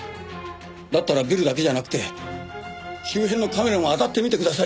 だったらビルだけじゃなくて周辺のカメラもあたってみてくださいよ。